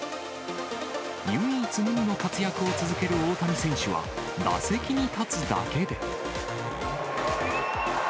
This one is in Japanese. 唯一無二の活躍を続ける大谷選手は、打席に立つだけで。